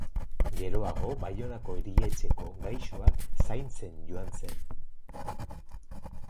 Geroago Baionako erietxeko gaixoak zaintzen joan zen.